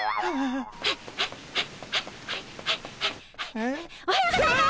えっ？おはようございます！